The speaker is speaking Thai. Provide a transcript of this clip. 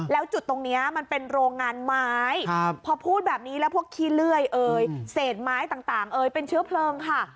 แล้วจุดตรงนี้มันเป็นโรงงานไม้พอพูดแบบนี้แล้วพวกขี้เลื่อยเอ่ยเศษไม้ต่างเอ่ยเป็นเชื้อเพลิงค่ะ